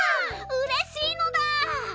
うれしいのだ！